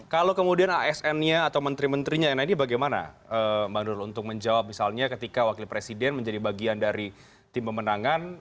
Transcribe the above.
kalau kemudian asn nya atau menteri menterinya yang lainnya bagaimana bang nur untuk menjawab misalnya ketika wakil presiden menjadi bagian dari tim pemenangan